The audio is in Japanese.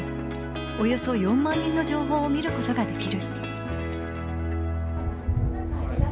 およそ４万人の情報を見ることができる。